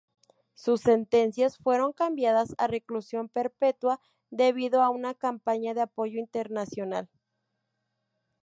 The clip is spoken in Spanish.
Sus sentencias fueron cambiadas a reclusión perpetua, debido a una campaña de apoyo internacional.